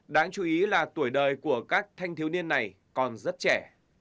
đáng chú ý là tuổi đời của các thanh thiếu niên này còn rất trẻ